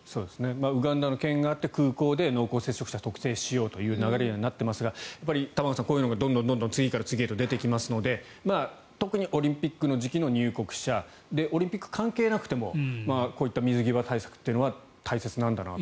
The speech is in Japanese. ウガンダの件があって空港で濃厚接触者を特定しようという方向にはなっていますがやっぱり玉川さん、こういうのが次から次へと出てきますので特にオリンピックの時期の入国者オリンピック関係なくてもこういった水際対策というのは大切なんだなと。